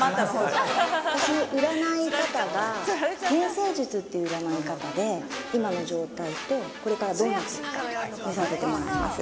私の占い方が天星術っていう占い方で今の状態とこれからどうなっていくか見させてもらいます。